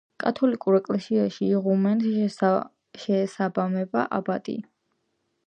კათოლიკურ ეკლესიაში იღუმენს შეესაბამება აბატი.